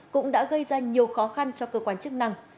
cũng đã gây ra nhiều khó khăn cho cơ quan chức năng